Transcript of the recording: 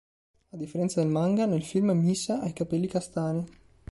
A differenza del manga, nel film Misa ha i capelli castani.